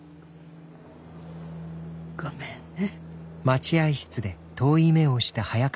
ごめんね。